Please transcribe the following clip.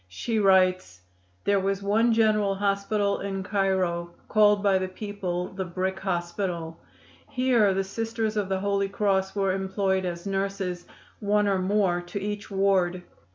She writes: "There was one general hospital in Cairo, called by the people 'the Brick Hospital.' Here the Sisters of the Holy Cross were employed as nurses, one or more to each ward.